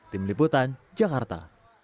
tim liputan jakarta